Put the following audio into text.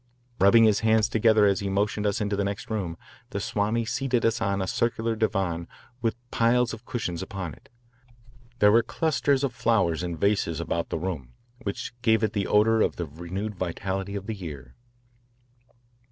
Rubbing his hands together as he motioned us into the next room, the Swami seated us on a circular divan with piles of cushions upon it. There were clusters of flowers in vases about the room, which gave it the odour of the renewed vitality of the year.